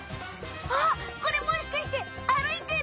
あっこれもしかして歩いてる？